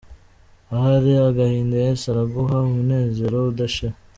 Ahari agahinda Yesu araguha umunezero udashira.